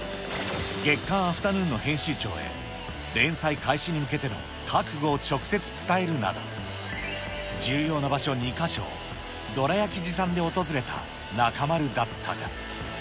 月刊アフタヌーンの編集長へ、連載開始に向けての覚悟を直接伝えるなど、重要な場所２か所、どら焼き持参で訪れた中丸だったが。